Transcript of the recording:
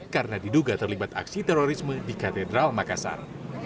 karena diduga terlibat aksi terorisme di katedral makassar